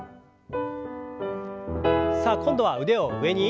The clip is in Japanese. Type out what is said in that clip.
さあ今度は腕を上に。